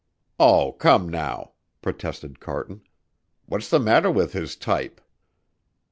"Oh, come now," protested Carton. "What's the matter with his type?"